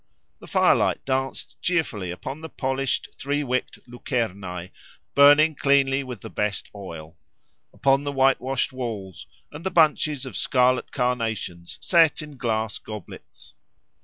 The firelight danced cheerfully upon the polished, three wicked lucernae burning cleanly with the best oil, upon the white washed walls, and the bunches of scarlet carnations set in glass goblets.